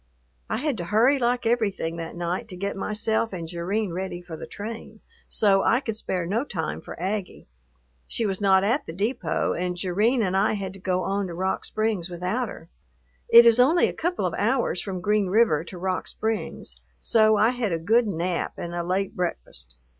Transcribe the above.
I had to hurry like everything that night to get myself and Jerrine ready for the train, so I could spare no time for Aggie. She was not at the depot, and Jerrine and I had to go on to Rock Springs without her. It is only a couple of hours from Green River to Rock Springs, so I had a good nap and a late breakfast.